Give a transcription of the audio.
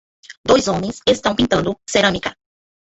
Dois homens estão pintando cerâmica.